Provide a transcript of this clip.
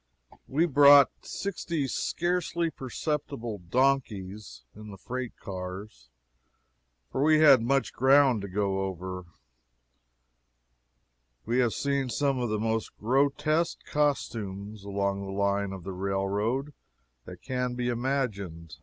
We brought sixty scarcely perceptible donkeys in the freight cars, for we had much ground to go over. We have seen some of the most grotesque costumes, along the line of the railroad, that can be imagined.